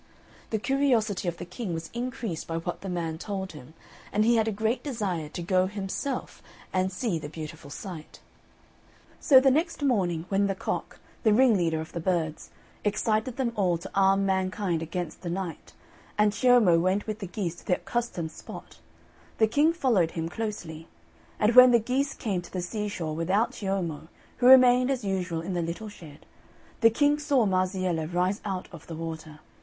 The curiosity of the King was increased by what the man told him, and he had a great desire to go himself and see the beautiful sight. So the next morning, when the Cock, the ringleader of the birds, excited them all to arm mankind against the Night, and Ciommo went with the geese to the accustomed spot, the King followed him closely; and when the geese came to the seashore, without Ciommo, who remained as usual in the little shed, the King saw Marziella rise out of the water.